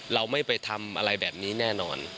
เราไม่ไปทำอะไรแบบนี้แน่นอน